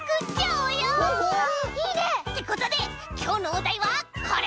いいね！ってことできょうのおだいはこれ！